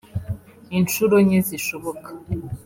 Inshuro nke zishoboka